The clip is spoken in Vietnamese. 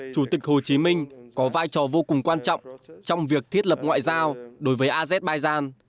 chủ tịch hồ chí minh có vai trò vô cùng quan trọng trong việc thiết lập ngoại giao đối với azerbaijan